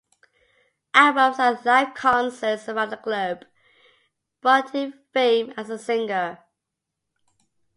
Albums and live concerts around the globe brought him fame as a singer.